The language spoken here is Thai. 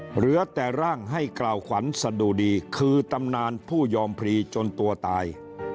เหลือแต่ร่างให้กล่าวขวัญสะดุดีคือตำนานผู้ยอมพรีจนตัวตาย